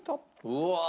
うわ！